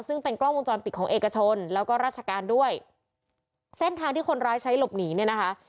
ซึ่งเป็นกล้องวงจรปิดของเอกชนแล้วก็ราชการด้วยเส้นทางที่คนร้ายใช้หลบหนีเนี่ยนะคะ